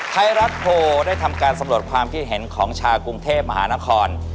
ไทยรัฐโพลได้ทำการสำรวจความคิดเห็นของชาวกรุงเทพมหานคร